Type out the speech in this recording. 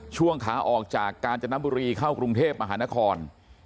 ช่วงขาออกจากกาญจนบุรีเข้ากรุงเทพมหานคร